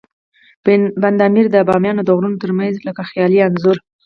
بند امیر د بامیانو د غرونو ترمنځ لکه خیالي انځور.